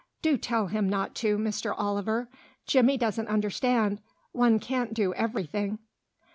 Do tell him not to, Mr. Oliver. Jimmy doesn't understand; one can't do everything."